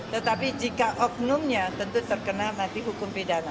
tetapi jika oknumnya tentu terkena nanti hukum pidana